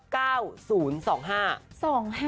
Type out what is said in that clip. ๙กกส๙๐๒๕